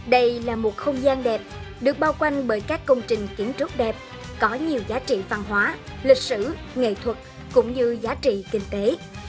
đây là một không gian đẹp được bao quanh bởi các công trình kiến trúc đẹp có nhiều giá trị văn hóa lịch sử nghệ thuật cũng như giá trị kinh tế